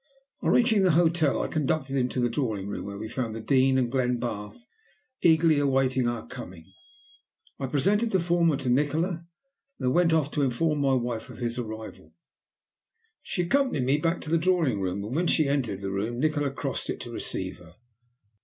On reaching the hotel I conducted him to the drawing room, where we found the Dean and Glenbarth eagerly awaiting our coming. I presented the former to Nikola, and then went off to inform my wife of his arrival. She accompanied me back to the drawing room, and when she entered the room Nikola crossed it to receive her.